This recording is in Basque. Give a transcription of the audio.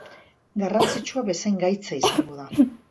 Garrantzitsua bezain gaitza izango da.